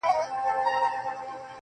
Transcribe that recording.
دا سړی گوره چي بيا څرنگه سرگم ساز کړي؟